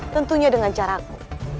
tentunya dengan cara aku